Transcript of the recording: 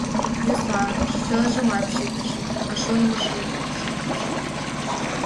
Йӧсланыш, чылажымат чытыш, — а шонымыжым шуктыш.